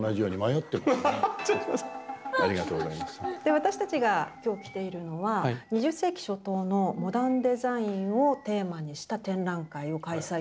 私たちが今日来ているのは２０世紀初頭のモダンデザインをテーマにした展覧会を開催中の旧朝香宮邸。